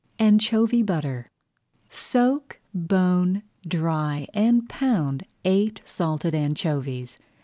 ANCHOVY BUTTER Soak, bone, dry, and pound eight salted anchovies.